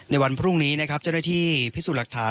ในวันพรุ่งนี้นะครับจะได้ที่พิสูจน์รักษา